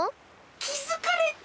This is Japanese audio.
きづかれた！